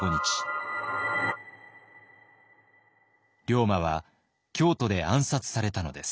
龍馬は京都で暗殺されたのです。